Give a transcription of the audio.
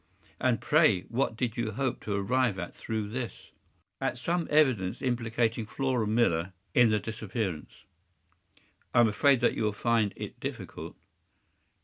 And pray what did you hope to arrive at through this?” “At some evidence implicating Flora Millar in the disappearance.” “I am afraid that you will find it difficult.